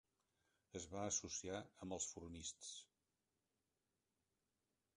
Es va associar amb els Formists.